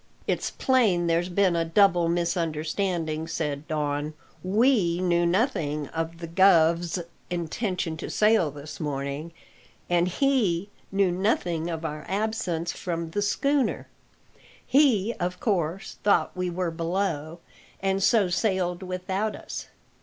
"It's plain there's been a double misunderstanding," said Don; "we knew nothing of the guv's intention to sail this morning, and he knew nothing of our absence from the schooner. He, of course, thought we were below, and so sailed without us.